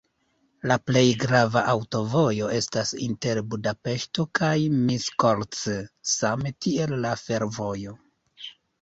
La plej grava aŭtovojo estas inter Budapeŝto kaj Miskolc, same tiel la fervojo.